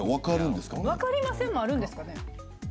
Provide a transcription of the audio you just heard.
分かりませんもあるんですかね。